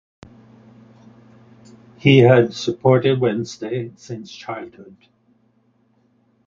He had supported Wednesday since childhood.